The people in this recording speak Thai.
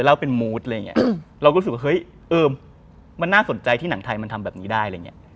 เราก็รู้สึกว่ามันน่าสนใจที่นังไทยมันทำแบบนี้ได้